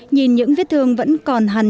nhìn những viết thương vẫn còn hẳn